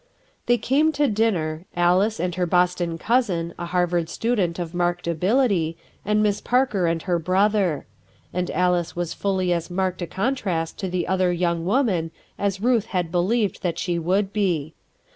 They came to dinner, Alice and her Boston cousin, a Harvard student of marked ability, and Miss Parker and her brother. And Alice was fully as marked a contrast to the other young woman as Ruth had believed that she would be.